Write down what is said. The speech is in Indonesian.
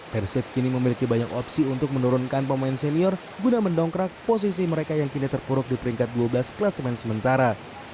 persib kini memiliki banyak opsi untuk menurunkan pemain senior guna mendongkrak posisi mereka yang kini terpuruk di peringkat dua belas kelas main sementara